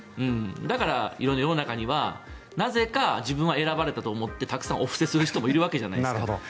だから、世の中にはなぜか自分は選ばれたと思ってたくさんお布施する人もいるわけじゃないですか。